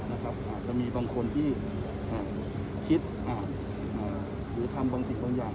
อาจจะมีบางคนที่คิดหรือทำบางสิ่งบางอย่าง